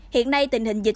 hiện nay tình hình dịch